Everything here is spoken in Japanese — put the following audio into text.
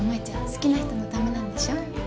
好きな人のためなんでしょ？